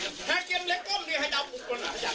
แค้นเหล็กเอาไว้บอกว่ากะจะฟาดลูกชายให้ตายเลยนะ